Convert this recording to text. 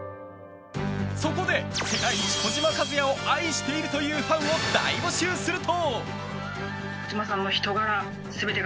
そこで、世界一児嶋一哉を愛しているというファンを大募集すると。